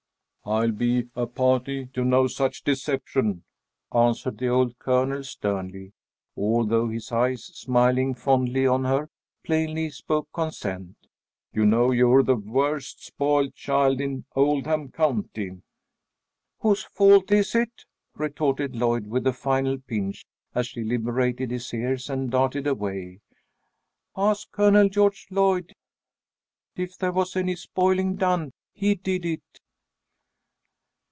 "I'll be a party to no such deception," answered the old Colonel, sternly, although his eyes, smiling fondly on her, plainly spoke consent. "You know you're the worst spoiled child in Oldham County." "Whose fault is it?" retorted Lloyd, with a final pinch as she liberated his ears and darted away. "Ask Colonel George Lloyd. If there was any spoiling done, he did it."